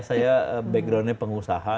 saya background nya pengusaha